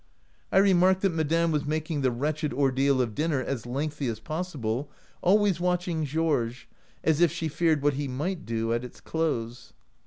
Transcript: I remarked that madame was making the wretched ordeal of dinner as lengthy as' pos sible, always watching Georges, as if she feared what he might do at its close.